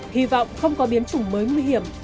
hy vọng không có biếm chủng mới nguy hiểm